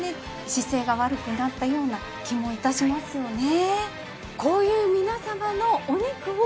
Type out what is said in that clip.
姿勢が悪くなったような気も致しますよね。